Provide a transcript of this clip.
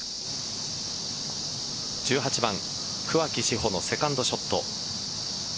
１８番桑木志帆のセカンドショット。